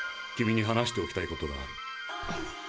君に話しておきたいことがある。